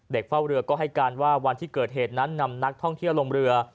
เฝ้าเรือก็ให้การว่าวันที่เกิดเหตุนั้นนำนักท่องเที่ยวลงเรือ